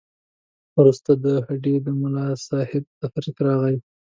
وروسته د هډې د ملاصاحب تحریک راغی.